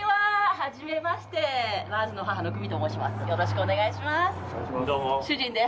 はじめまして、母の久美と申します。